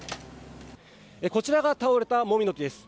こちらが倒れたモミの木です。